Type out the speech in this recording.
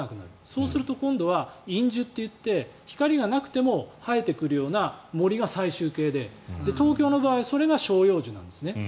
そうすると今度は、陰樹といって光がなくても生えてくるよな森が最終形で、東京の場合はそれが照葉樹なんですね。